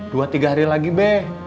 dua tiga hari lagi be